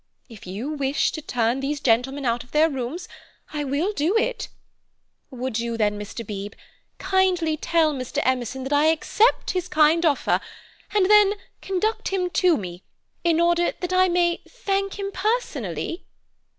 If you wish me to turn these gentlemen out of their rooms, I will do it. Would you then, Mr. Beebe, kindly tell Mr. Emerson that I accept his kind offer, and then conduct him to me, in order that I may thank him personally?"